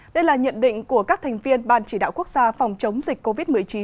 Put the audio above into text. đây là nhận định của các thành viên ban chỉ đạo quốc gia phòng chống dịch covid một mươi chín